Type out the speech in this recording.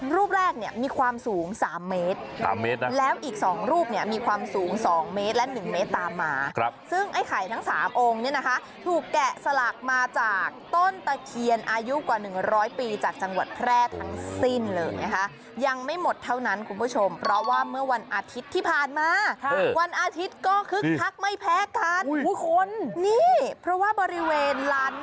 รูปแรกเนี่ยมีความสูง๓เมตร๓เมตรนะแล้วอีก๒รูปเนี่ยมีความสูง๒เมตรและ๑เมตรตามมาซึ่งไอ้ไข่ทั้งสามองค์เนี่ยนะคะถูกแกะสลักมาจากต้นตะเคียนอายุกว่า๑๐๐ปีจากจังหวัดแพร่ทั้งสิ้นเลยนะคะยังไม่หมดเท่านั้นคุณผู้ชมเพราะว่าเมื่อวันอาทิตย์ที่ผ่านมาวันอาทิตย์ก็คึกคักไม่แพ้กันนี่เพราะว่าบริเวณลาน